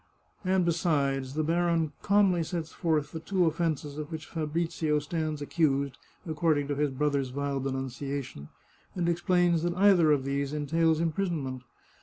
And besides, the baron calmly sets forth the two offences of which Fabrizio stands accused according to his brother's vile denunciation, and explains that either of these entails imprisonment.